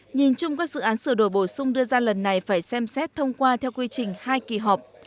nhìn chung các dự án sửa đổi bổ sung đưa ra lần này phải xem xét thông qua theo quy trình hai kỳ họp